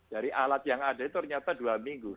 dari alat yang ada itu ternyata dua minggu